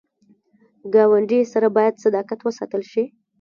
ګاونډي سره باید صداقت وساتل شي